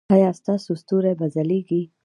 ایا ستاسو ستوري به ځلیږي؟